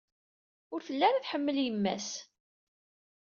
Ur telli ara tḥemmel yemma-s.